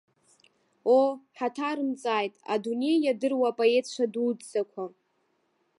Оо, ҳаҭарымҵааит, адунеи иадыруа апоетцәа дуӡӡақәа.